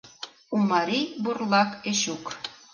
Умарий Бурлак Эчук.